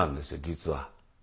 実は。